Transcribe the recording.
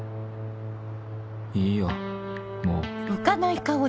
「いいよもう」。